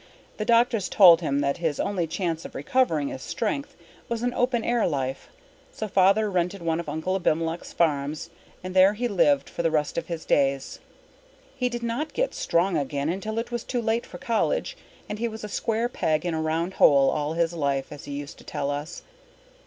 The doctors told him that his only chance of recovering his strength was an open air life, so Father rented one of Uncle Abimelech's farms and there he lived for the rest of his days. He did not get strong again until it was too late for college, and he was a square peg in a round hole all his life, as he used to tell us.